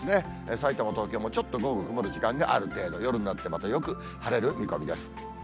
さいたま、東京もちょっと午後曇る時間がある程度、夜になってまたよく晴れる見込みです。